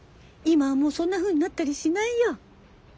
今はもうそんなふうになったりしないよ。